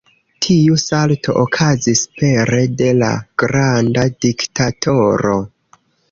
Tiu salto okazis pere de "La granda diktatoro".